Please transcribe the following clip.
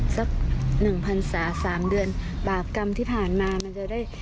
สักหนึ่งพันศาสามเดือนบาปกรรมที่ผ่านมามันจะได้